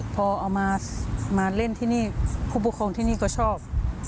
พอเอามาเล่นที่นี่ผู้ปกครองที่นี่ก็ชอบ